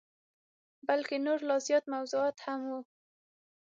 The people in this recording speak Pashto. بلکه نور لا زیات موضوعات هم وه.